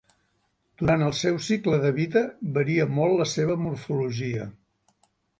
Durant el seu cicle de vida varia molt la seva morfologia.